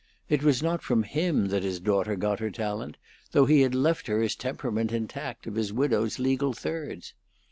It was not from him that his daughter got her talent, though he had left her his temperament intact of his widow's legal thirds.